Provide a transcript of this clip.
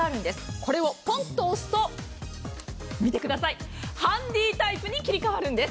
これをポンと押すとハンディタイプに切り替わるんです。